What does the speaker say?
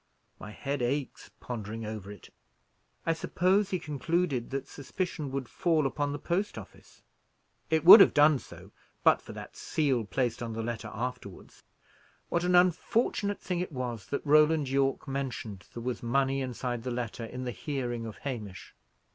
My head aches, pondering over it. I suppose he concluded that suspicion would fall upon the post office. It would have done so, but for that seal placed on the letter afterwards. What an unfortunate thing it was, that Roland Yorke mentioned there was money inside the letter in the hearing of Hamish!"